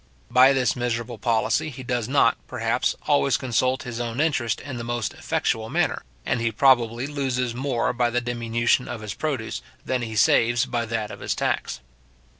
By this miserable policy, he does not, perhaps, always consult his own interest in the most effectual manner; and he probably loses more by the diminution of his produce, than he saves by that of his tax.